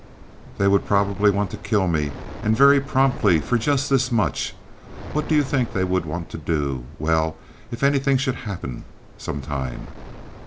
"They would probably want to kill me, and very promptly, for just this much. What do you think they would want to do if—well, if anything should happen, some time?"